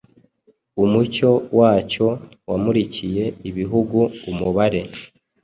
Umucyo wacyo wamurikiye ibihugu umubare